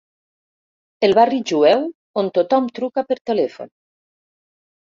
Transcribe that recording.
El barri jueu on tothom truca per telèfon.